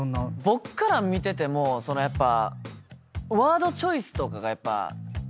僕から見ててもやっぱ。